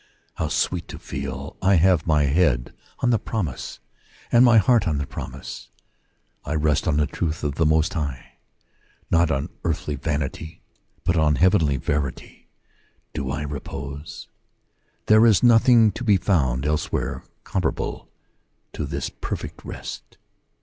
How sweet to feel I have my head on the promise, and my heart on the promise : I rest on the truth of the Most High ! Not on earthly vanity, but on heavenly verity, do I repose. There is nothing to be found elsewhere comparable to this perfect rest.